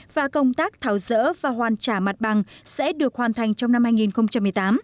và công tác tháo rỡ và hoàn trả mặt bằng sẽ được hoàn thành trong năm hai nghìn một mươi tám